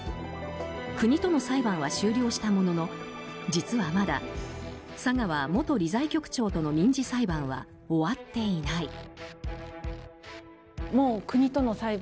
国との裁判は終了したものの実は、まだ佐川元理財局長との民事裁判は終わっていない。